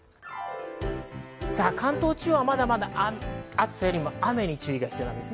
関東地方はまだまだ暑さよりも雨に注意が必要です。